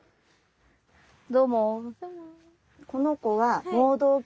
どうも。